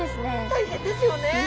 大変ですよね。